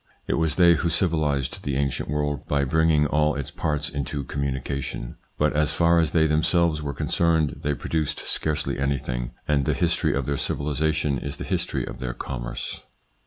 It was they who civilised the ancient world by bringing all its parts into communication ; but as far as they themselves were concerned they produced scarcely anything, and the history of their civilisation is the history of their imerce.